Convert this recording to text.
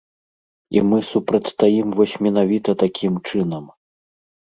І мы супрацьстаім вось менавіта такім чынам.